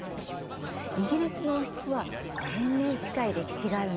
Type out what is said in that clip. イギリスの王室は１，０００年近い歴史があるの。